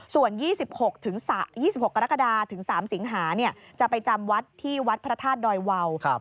ส่วน๒๖๒๖กรกฎาถึง๓สิงหาจะไปจำวัดที่วัดพระธาตุดอยวาว